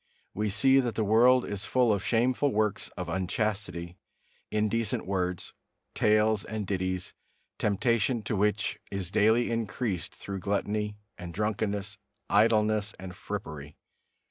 We see that the world is full of shameful works of unchastity, indecent words, tales and ditties, temptation to which is daily increased through gluttony and drunkenness, idleness and frippery.